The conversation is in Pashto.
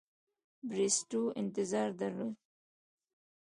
بریسټو انتظار درلود.